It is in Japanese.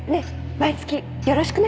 毎月よろしくね。